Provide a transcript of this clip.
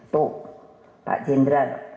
tuh pak jendral